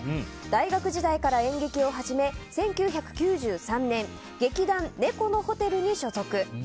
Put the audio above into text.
大学時代から演劇を始め１９９３年劇団、猫のホテルに所属。